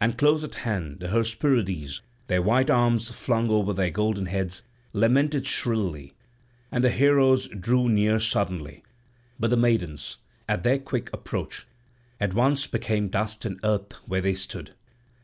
And close at hand the Hesperides, their white arms flung over their golden heads, lamented shrilly; and the heroes drew near suddenly; but the maidens, at their quick approach, at once became dust and earth where they stood.